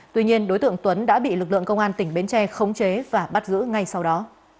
tuy nhiên đối tượng tuấn đã bị lực lượng công an tỉnh bến tre khống chế và bắt giữ ngay sau đó